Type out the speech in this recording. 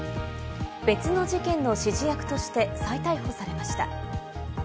別の事件の指示役として再逮捕されました。